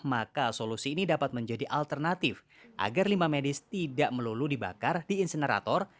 maka solusi ini dapat menjadi alternatif agar limbah medis tidak melulu dibakar di insenerator